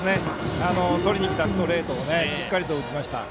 とりにきたストレートしっかりと打ちました。